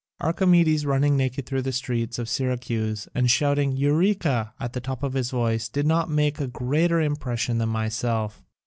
Archimedes running naked thru the streets of Syracuse and shouting Eureka at the top of his voice did not make a greater impression than myself.